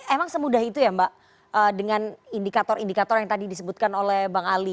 emang semudah itu ya mbak dengan indikator indikator yang tadi disebutkan oleh bang ali